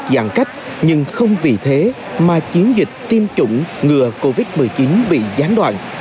giãn cách nhưng không vì thế mà chiến dịch tiêm chủng ngừa covid một mươi chín bị gián đoạn